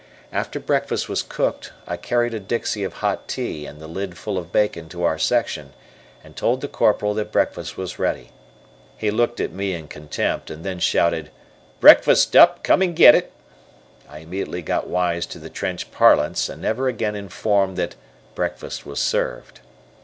After breakfast was cooked, I carried a dixie of hot tea and the lid full of bacon to our section, and told the Corporal that breakfast was ready. He looked at me in contempt, and then shouted, "Breakfast up, come and get it!" I immediately got wise to the trench parlance, and never again informed that "Breakfast was served."